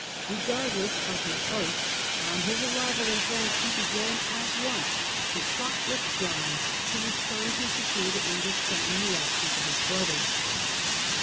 Kegardless of his oath, on his arrival in France he began at once to plot with John, who was trying to secure the English crown in the absence of his brother.